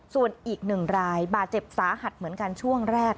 ส่วนอีกหนึ่งรายบาดเจ็บสาหัสเหมือนกันช่วงแรก